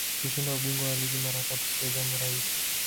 kushinda ubingwa wa ligi mara tatu siyo jambo rahisi